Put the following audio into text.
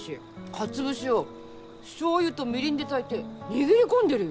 かつ節をしょうゆとみりんで炊いて握り込んでるよ！